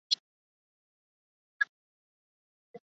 以色列则在伦敦设有大使馆及领事馆。